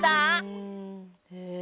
へえ。